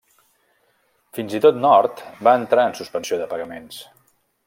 Fins i tot Nord va entrar en suspensió de pagaments.